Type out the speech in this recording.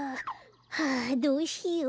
はあどうしよう。